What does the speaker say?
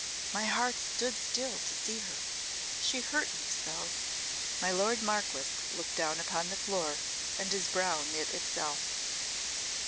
My heart stood still to see her. She hurt me so." My lord Marquess looked down upon the floor and his brow knit itself.